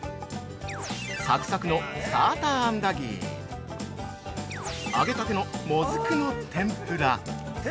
サクサクの「サーターアンダギー」揚げたての「もずくの天ぷら」